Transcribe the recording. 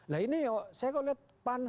nah ini ya saya kalau lihat pan juga